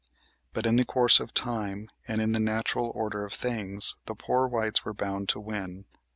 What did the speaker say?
But in the course of time and in the natural order of things the poor whites were bound to win.